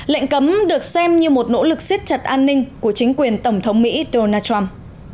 lệnh cấm được xem như một nỗ lực siết chặt an ninh của chính quyền tổng thống mỹ donald trump